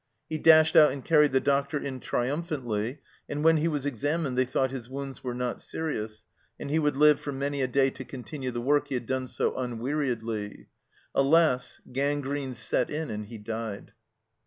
He dashed out and carried the doctor in triumphantly, and when he was ex amined they thought his wounds were not serious, and he would live for many a day to continue the work he had done so unweariedly. Alas, gangrene set in and he died